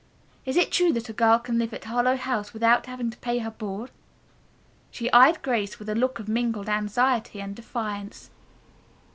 Is it true that a girl can live at Harlowe House without having to pay her board?" she eyed Grace with a look of mingled anxiety and defiance.